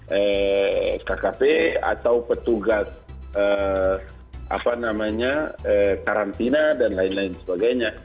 protokol kkp atau petugas apa namanya karantina dan lain lain sebagainya